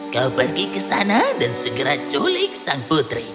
kau pergi ke sana dan segera culik sang putri